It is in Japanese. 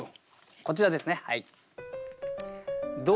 こちらですねはい。